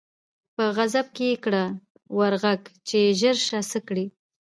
په غضب یې کړه ور ږغ چي ژر سه څه کړې